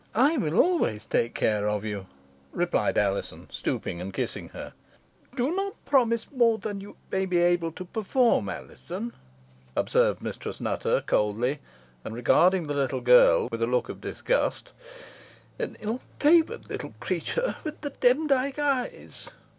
"I will always take care of you," replied Alizon, stooping, and kissing her. "Do not promise more than you may be able to perform, Alizon," observed Mistress Nutter, coldly, and regarding the little girl with a look of disgust; "an ill favour'd little creature, with the Demdike eyes."